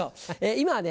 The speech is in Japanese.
今はね